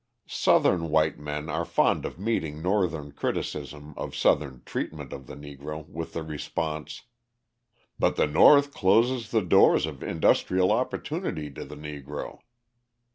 Southern white men are fond of meeting Northern criticism of Southern treatment of the Negro with the response: "But the North closes the doors of industrial opportunity to the Negro."